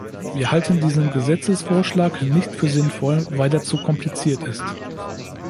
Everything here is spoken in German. Wir halten diesen Gesetzesvorschlag nicht für sinnvoll, weil er zu kompliziert ist.